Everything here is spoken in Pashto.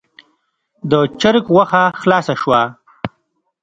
د چرګ غوښه خلاصه شوه.